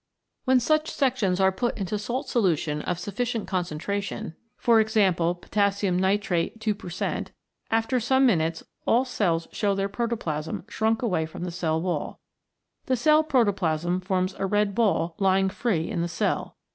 When such sections are put into salt solution of sufficient concentration, e.g. potassium nitrate 2 per cent, after some minutes 'all cells show their protoplasm shrunk away from the cell wall. The cell protoplasm forms a red ball lying free in the cell.